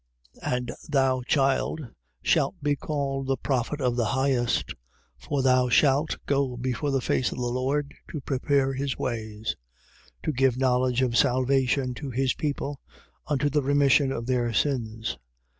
1:76. And thou, child, shalt be called the prophet of the Highest: for thou shalt, go before the face of the Lord to prepare his ways: 1:77. To give knowledge of salvation to his people, unto the remission of their sins.